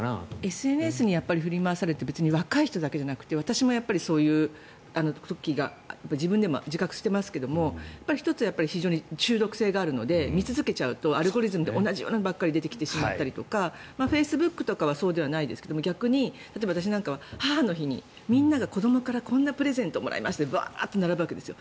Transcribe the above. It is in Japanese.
ＳＮＳに振り回されているのは別に若い人だけじゃなくて私もそういう向きが自分でも自覚していますが１つ非常に中毒性があるので見続けちゃうとアルゴリズムで同じようなものばかりが出てきたりとかフェイスブックとかはそうではないですが逆に私なんかは母の日にみんなが、子どもからこんなプレゼントをもらいましたってバーッと並ぶわけですよ。